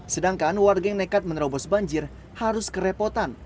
sedangkan warga yang nekat menerobos banjir harus kerepotan